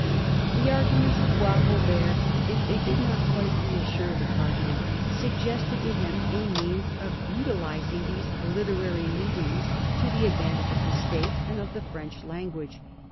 The arguments of Boisrobert, if they did not quite reassure the Cardinal, suggested to him a means of utilis ing these literary meetings to the advantage of the State and of the French language.